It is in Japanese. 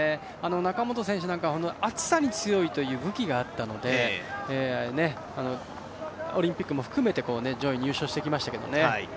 中本選手なんかは、暑さに強いという武器があったのでオリンピックも含めて上位入賞してきましたけどね。